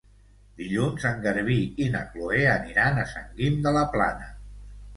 Dilluns en Garbí i na Chloé aniran a Sant Guim de la Plana.